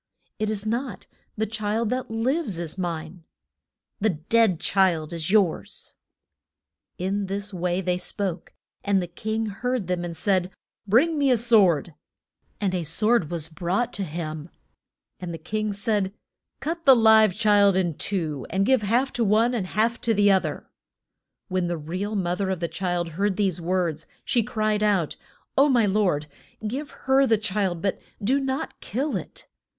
It is not; the child that lives is mine. The dead child is yours. [Illustration: THE JUDG MENT OF SOL O MON.] In this way they spoke, and the king heard them, and said, Bring me a sword! And a sword was brought to him. And the king said, Cut the live child in two, and give half to one and half to the oth er. When the real moth er of the child heard these words she cried out, O my lord, give her the child, but do not kill it.